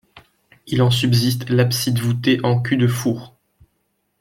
Il en subsiste l'abside voûtée en cul-de-four.